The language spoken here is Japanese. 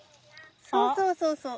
そうそうそうそう。